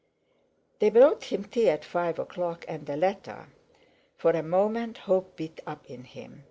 They brought him tea at five o'clock, and a letter. For a moment hope beat up in him.